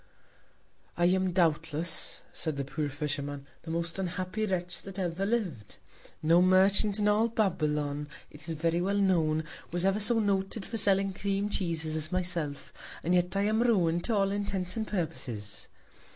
I am, doubtless, said the poor Fisherman, the most unhappy Wretch that ever liv'd! No Merchant in all Babylon, it is very well known, was ever so noted for selling Cream Cheeses as myself; and yet I am ruin'd to all Intents and Purposes.